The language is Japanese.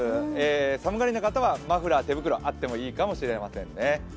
寒がりな方はマフラー、手袋あってもいいかもしれませんね。